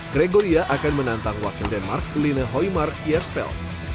gregoria akan menantang wakil denmark lina hoimark yespel